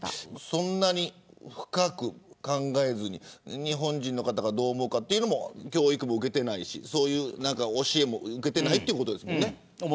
そんなに深く考えずに日本人の方がどう思うかということの教育も受けていないしそういう教えも受けていないということですね。